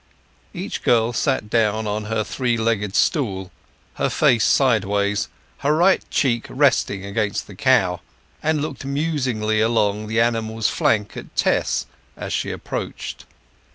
Each girl sat down on her three legged stool, her face sideways, her right cheek resting against the cow, and looked musingly along the animal's flank at Tess as she approached.